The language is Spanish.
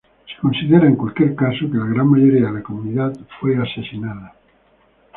Se considera, en cualquier caso, que la gran mayoría de la comunidad fue asesinada.